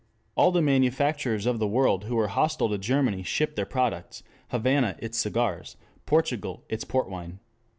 All the manufacturers of the world who were hostile to Germany shipped their products, Havana its cigars, Portugal its port wine.